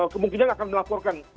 kemungkinan akan dilaporkan